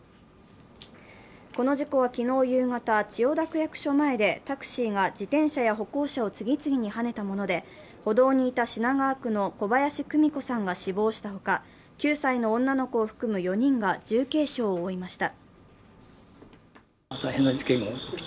この事故は昨日夕方、千代田区役所前でタクシーが自転車や歩行者を次々にはねたもので歩道にいた品川区の小林久美子さんが死亡した他、９歳の女の子を含む４人が重軽傷を負いました。